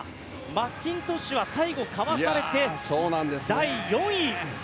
マッキントッシュは最後、かわされて第４位。